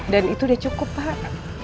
dan itu udah cukup pak